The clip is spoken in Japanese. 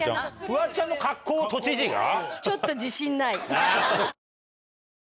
フワちゃんの格好を都知事が？